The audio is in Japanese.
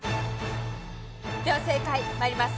では正解まいります